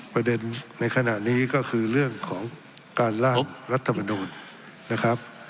ในขณะนี้ก็คือเรื่องของการล่างรัฐมนูลนะครับ